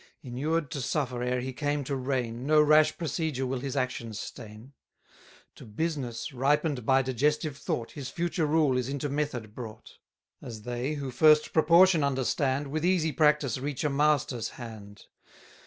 Inured to suffer ere he came to reign, No rash procedure will his actions stain: To business, ripen'd by digestive thought, His future rule is into method brought: 90 As they who first proportion understand, With easy practice reach a master's hand.